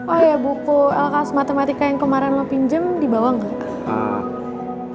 oh ya buku lkas matematika yang kemarin lo pinjem dibawa gak